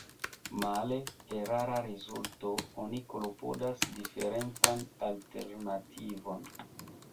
Male —erara rezulto— oni klopodas diferencan alternativon.